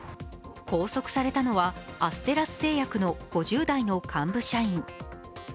拘束されたのはアステラス製薬の５０代の幹部社員。